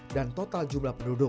dan total jumlah penduduk